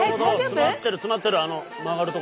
詰まってる詰まってる。